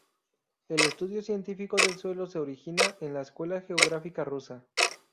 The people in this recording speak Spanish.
El estudio científico del suelo se origina en la escuela geográfica rusa.